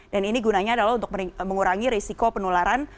dan ini gunanya adalah untuk mengurangi risiko penularan